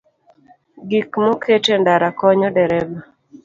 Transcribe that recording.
Gik moket e ndara konyo dereba